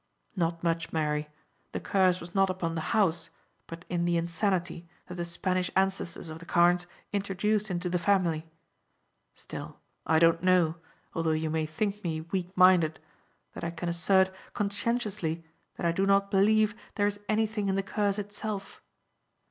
"Not much, Mary; the curse was not upon the house, but in the insanity that the Spanish ancestors of the Carnes introduced into the family. Still I don't know, although you may think me weak minded, that I can assert conscientiously that I do not believe there is anything in the curse itself.